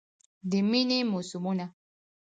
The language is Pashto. د میینې موسمونه